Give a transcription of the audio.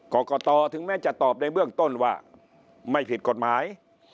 กรกตถึงแม้จะตอบในเบื้องต้นว่าไม่ผิดกฎหมาย